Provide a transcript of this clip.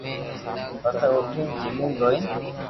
پسو اوٺين جيلين دوھين